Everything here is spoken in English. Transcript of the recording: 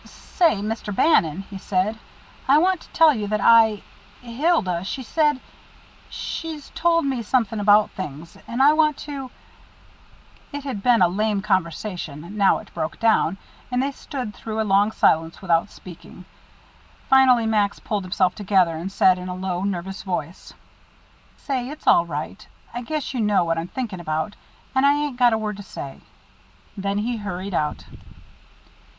"Say, Mr. Bannon," he said, "I want to tell you that I Hilda, she said she's told me something about things and I want to " It had been a lame conversation; now it broke down, and they stood through a long silence without speaking. Finally Max pulled himself together, and said in a low, nervous voice: "Say, it's all right. I guess you know what I'm thinking about. And I ain't got a word to say." Then he hurried out.